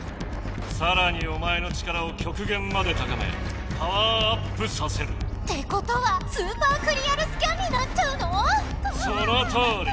さらにおまえの力をきょくげんまで高めパワーアップさせる。ってことはスーパークリアルスキャンになっちゃうの⁉そのとおり！